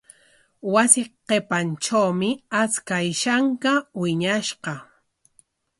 Wasi qipantrawmi achka ishanka wiñashqa.